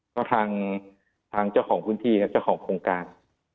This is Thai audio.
ก็ทางเจ้าของพื้นที่ครับเจ้าของโครงการ